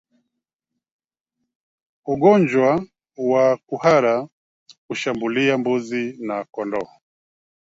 Ugonjwa wa kuhara hushambulia mbuzi na kondoo